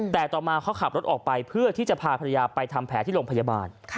แต่ต่อมาเขาขับรถออกไปเพื่อที่จะพาภรรยาไปทำแผลที่โรงพยาบาล